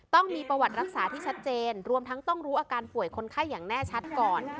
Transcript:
ต้องมีประวัติรักษาที่ชัดเจนรวมทั้งต้องรู้อาการป่วยคนไข้อย่างแน่ชัดก่อน